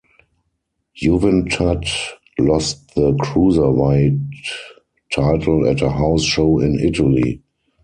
Juventud lost the Cruiserweight Title at a house show in Italy.